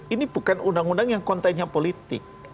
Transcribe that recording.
ini bukan undang undang yang kontennya politik